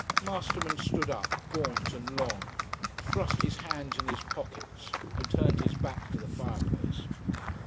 Masterman stood up, gaunt and long, thrust his hands in his pockets and turned his back to the fireplace.